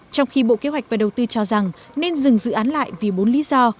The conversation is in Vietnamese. trong khi bộ kế hoạch và đầu tư cho rằng nên dừng dự án lại vì bốn lý do